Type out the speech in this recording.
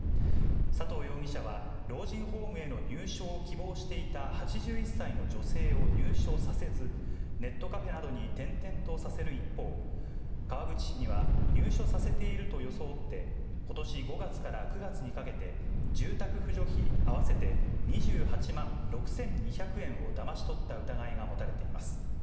佐藤容疑者は、老人ホームへの入所を希望していた８１歳の女性を入所させず、ネットカフェなどに転々とさせる一方、川口市には、入所させていると装って、ことし５月から９月にかけて、住宅扶助費合わせて２８万６２００円をだまし取った疑いが持たれています。